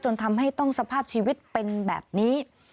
ทำให้ต้องสภาพชีวิตเป็นแบบนี้